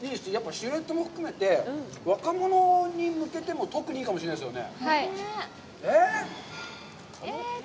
シルエットも含めて、若者に向けても特にいいかもしれないですね。